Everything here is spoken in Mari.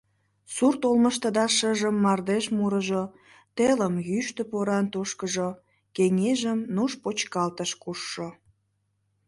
Сурт олмыштыда шыжым мардеж мурыжо, телым йӱштӧ поран тушкыжо, кеҥежым нуж-почкалтыш кушшо!